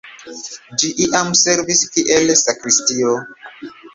Ĝi iam servis kiel sakristio.